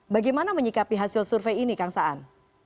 bagaimana menyikapi hasil survei ini kang saan